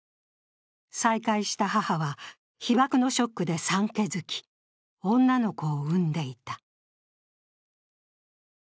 再会した母は被爆のショックで産気づき、女の子を産んでいた。